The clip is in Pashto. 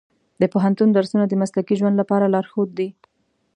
د پوهنتون درسونه د مسلکي ژوند لپاره لارښود دي.